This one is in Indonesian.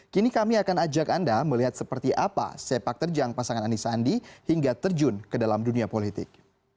kini kami akan ajak anda melihat seperti apa sepak terjang pasangan anis andi hingga terjun ke dalam dunia politik